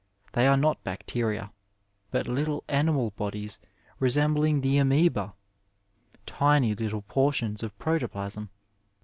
They are not bacteria, but little animal bodies resembling the amoeba — ^tiny little portions of protoplasm.